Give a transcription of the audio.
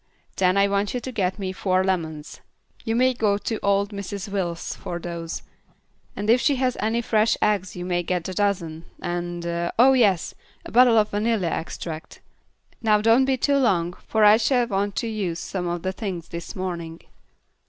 Then I want you to get me four lemons. You may go to old Mrs. Wills for those, and if she has any fresh eggs you may get a dozen, and oh, yes, a bottle of vanilla extract. Now don't be too long, for I shall want to use some of the things this morning."